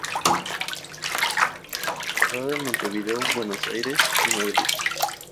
Rodada en Montevideo, Buenos Aires y Madrid.